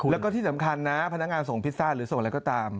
แล้วก็ที่สำคัญนะพนักงานส่งพิซซ่าหรือส่งอะไรก็ตาม